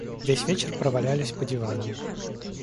Весь вечер провалялись по диванам.